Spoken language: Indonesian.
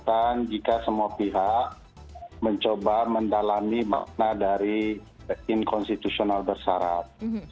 kekuatan jika semua pihak mencoba mendalami makna dari inkonstitusional bersyarat